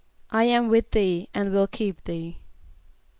="I am with thee and will keep thee."